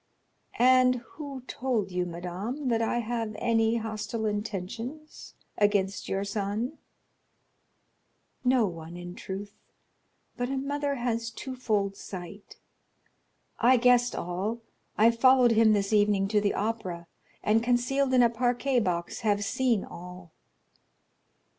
'" "And who told you, madame, that I have any hostile intentions against your son?" "No one, in truth; but a mother has twofold sight. I guessed all; I followed him this evening to the Opera, and, concealed in a parquet box, have seen all."